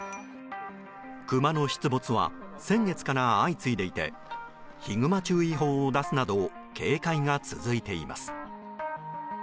クマの出没は先月から相次いでいてヒグマ注意報を出すなど警戒が続いています。